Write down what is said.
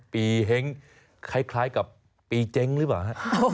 เฮ้งคล้ายกับปีเจ๊งหรือเปล่าฮะ